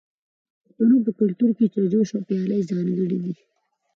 د پښتنو په کلتور کې د چای جوش او پیالې ځانګړي دي.